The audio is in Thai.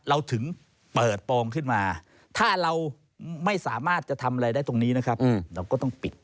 เราถึงเปิดโปรงขึ้นมาถ้าเราไม่สามารถจะทำอะไรได้ตรงนี้นะครับเราก็ต้องปิด